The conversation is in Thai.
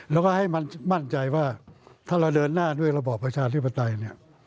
แล้วก็ให้มันมั่นใจว่าถ้าเราเดินหน้าด้วยระบอบประชาธิปไตยเนี่ย